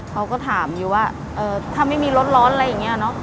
เขาก็ถามอยู่ว่าถ้าไม่มีรถร้อนอะไรอย่างนี้เนอะ